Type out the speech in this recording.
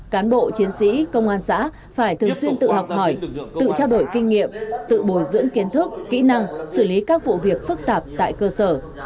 cán bộ chiến sĩ công an xã phải thường xuyên tự học hỏi tự trao đổi kinh nghiệm tự bồi dưỡng kiến thức kỹ năng xử lý các vụ việc phức tạp tại cơ sở